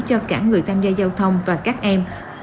cho cả người tham gia giao thông và các em